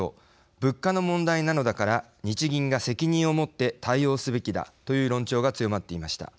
物価の問題なのだから日銀が責任を持って対応すべきだという論調が強まっていました。